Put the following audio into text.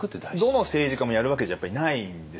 どの政治家もやるわけじゃないんですよ。